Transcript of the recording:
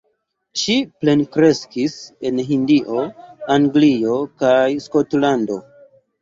Ŝi plenkreskis en Hindio, Anglio kaj Skotlando.